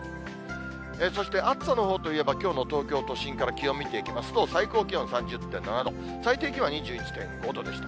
そして暑さのほうといえば、きょうの東京都心から気温見ていきますと、最高気温３０．７度、最低気温は２１．５度でした。